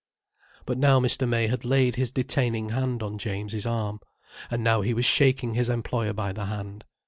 But now Mr. May had laid his detaining hand on James's arm. And now he was shaking his employer by the hand.